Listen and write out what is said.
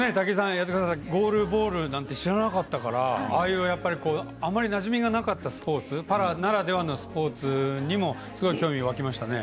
ゴールボールなんて知らなかったからあまりなじみがなかったスポーツパラならではのスポーツにもすごい興味が湧きました。